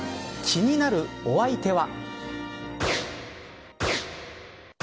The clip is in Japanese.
気になるお相手は。